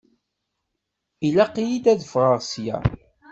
Ilaq-iyi ad ffɣeɣ ssya.